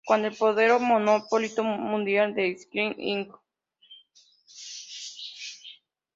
Cuando el poderoso monopolio mundial de Shinra Inc.